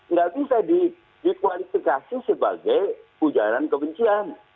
nggak bisa dikualifikasi sebagai ujaran kebencian